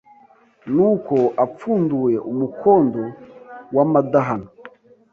Nuko apfunduye umukondo w'amadahano